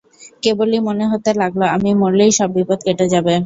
কেবলই মনে হতে লাগল, আমি মরলেই সব বিপদ কেটে যাবে।